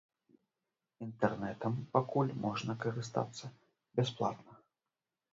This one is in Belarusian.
Інтэрнэтам пакуль можна карыстацца бясплатна.